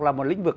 là một lĩnh vực